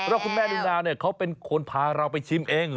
แล้วคุณแม่นิวนาเนี่ยเขาเป็นคนพาเราไปชิมเอง